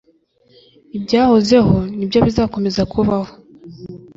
ibyahozeho, ni byo bizakomeza kubaho